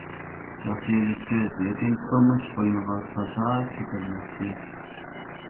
ياخشى يېزىپسىز، لېكىن تۇرمۇش قوينىغا تازا چۆكەلمەپسىز.